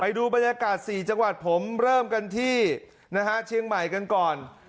ดูบรรยากาศ๔จังหวัดผมเริ่มกันที่นะฮะเชียงใหม่กันก่อน